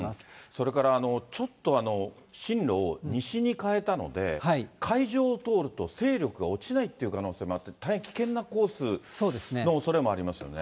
それから、ちょっと進路を西に変えたので、海上を通ると勢力が落ちないっていう可能性もあって、大変危険なコースのおそれもありますよね。